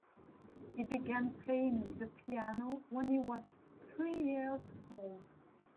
He began playing the piano when he was three years old.